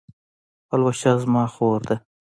پلوشه زما خور ده